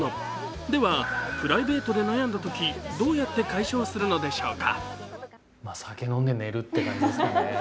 では、プライベートで悩んだとき、どうやって解消するのでしょうか？